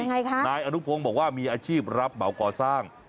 ยังไงคะนายอนุพงศ์บอกว่ามีอาชีพรับเหมาก่อสร้าง